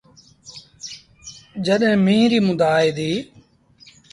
جڏهيݩ ميݩهن ريٚ مند آئي ديٚ۔